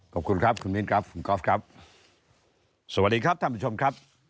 ขอบคุณครับคุณมินครับคุณก๊อฟครับสวัสดีครับท่านผู้ชมครับ